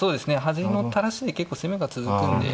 端の垂らしで結構攻めが続くんで。